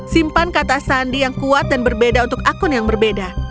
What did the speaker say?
simpan kata sandi yang kuat dan berbeda untuk akun yang berbeda